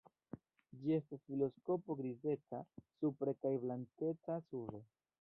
Ĝi estas filoskopo grizeca supre kaj blankeca sube.